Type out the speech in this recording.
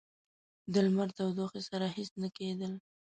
د لمر تودوخې سره هیڅ نه کېدل.